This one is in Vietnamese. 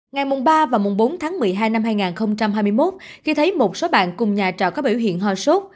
ngày ba và mùng bốn tháng một mươi hai năm hai nghìn hai mươi một khi thấy một số bạn cùng nhà trọ có biểu hiện ho sốt